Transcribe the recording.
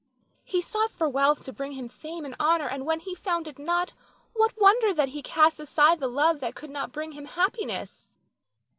He sought for wealth to bring him fame and honor; and when he found it not, what wonder that he cast aside the love that could not bring him happiness.